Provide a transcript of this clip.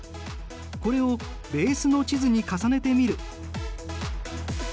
これをベースの地図に重ねてみる。